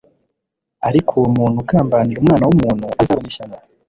ariko uwo muntu ugambanira Umwana w'umuntu azabona ishyano!